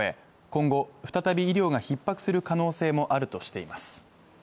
今後、再び医療がひっ迫する可能性もあるとしています。